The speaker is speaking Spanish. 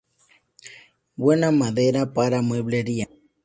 Buena madera para mueblería.